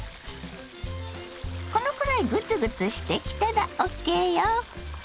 このくらいグツグツしてきたらＯＫよ。